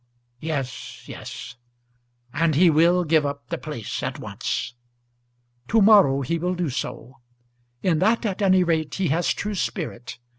"Yes, yes. And he will give up the place at once." "To morrow he will do so. In that at any rate he has true spirit.